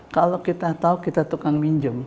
kalau kita tahu kita tukang minjem